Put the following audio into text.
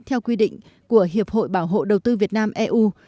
theo quy định của hiệp hội bảo hộ đầu tư việt nam eu